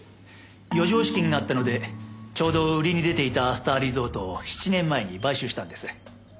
余剰資金があったのでちょうど売りに出ていたスターリゾートを７年前に買収したんです。